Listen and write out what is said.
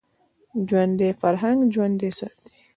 ژوندي فرهنګ ژوندی ساتي